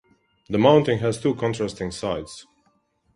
The mountain has two contrasting sides.